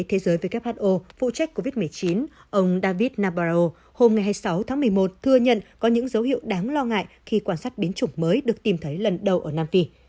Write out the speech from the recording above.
thế giới who phụ trách covid một mươi chín ông david nabrao hôm hai mươi sáu tháng một mươi một thừa nhận có những dấu hiệu đáng lo ngại khi quan sát biến chủng mới được tìm thấy lần đầu ở nam phi